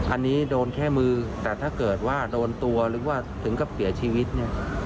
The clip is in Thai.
อันนี้โดนแค่มือแต่ถ้าเกิดว่าโดนตัวหรือว่าถึงกับเสียชีวิตเนี่ย